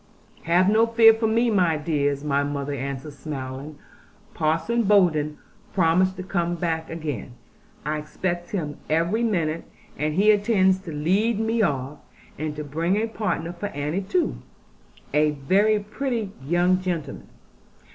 'Have no fear for me, my dears,' our mother answered smiling: 'Parson Bowden promised to come back again; I expect him every minute; and he intends to lead me off, and to bring a partner for Annie too, a very pretty young gentleman.